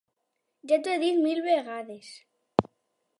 Ja t'ho he dit mil vegades!